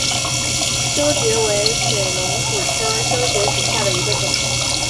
修蕨为水龙骨科修蕨属下的一个种。